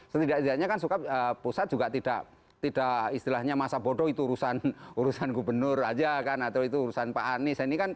setidaknya kan pusat juga tidak istilahnya masa bodoh itu urusan gubernur aja kan atau itu urusan pak anies